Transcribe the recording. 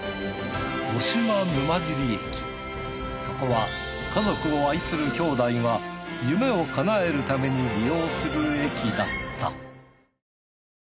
そこは家族を愛するきょうだいが夢を叶えるために利用する駅だった